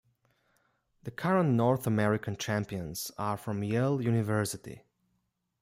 The current North American champions are from Yale University.